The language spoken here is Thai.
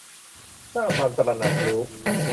สร้างความตระหนักรู้